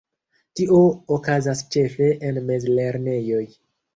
Tio okazas ĉefe en mezlernejoj.